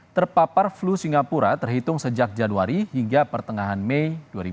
terpapar flu singapura terhitung sejak januari hingga pertengahan mei dua ribu dua puluh